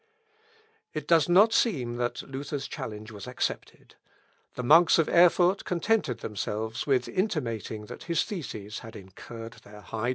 It does not seem that Luther's challenge was accepted. The monks of Erfurt contented themselves with intimating that his theses had incurred their high displeasure.